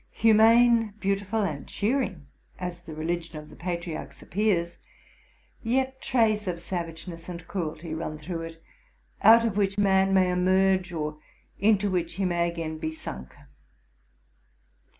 Humane, beautiful, and cheering as the religion of the patriarchs appears, yet traits of savage ness and cruelty run through it, out of which man may emerge, or into which he may again be sunk.